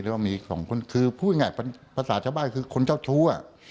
ก็มีสองคนคือพูดง่ายประสาทชาวบ้านคือคนเจ้าชู้อ่ะ